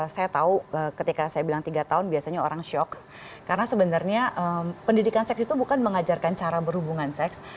saya tahu ketika saya bilang tiga tahun biasanya orang shock karena sebenarnya pendidikan seks itu bukan mengajarkan cara berhubungan seks